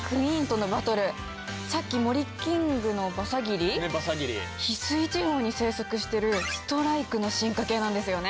さっき森キングのバサギリヒスイ地方に生息してるストライクの進化形なんですよね。